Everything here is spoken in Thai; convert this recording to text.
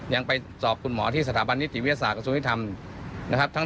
ยังไปจอกคุณหมอที่สถาบันนิติวิทยาศาสตร์กระทรุนิธรรม